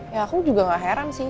ya aku juga gak heran sih